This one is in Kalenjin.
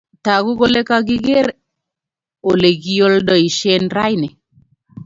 Tagu kole kigigeer olegioldoishen raini